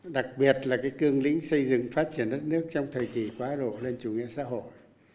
đặc biệt là cái cương lĩnh xây dựng phát triển đất nước trong thời kỳ quá độ lên chủ nghĩa xã hội